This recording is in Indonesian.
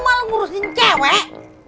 malah ngurusin cewek